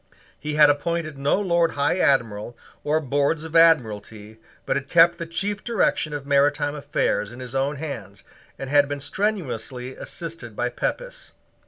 He had appointed no Lord High Admiral or Board of Admiralty, but had kept the chief direction of maritime affairs in his own hands, and had been strenuously assisted by Pepys.